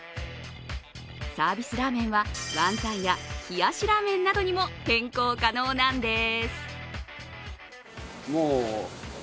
サービスラーメンはワンタンや冷やしラーメンなどにも変更可能なんです。